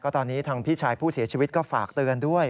ตอนนี้ทางพี่ชายผู้เสียชีวิตก็ฝากเตือนด้วย